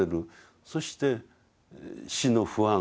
そして死の不安